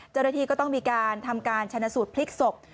เจ้าหน้าที่ก็ต้องมีการทำการชนะสูตรพลิกศพ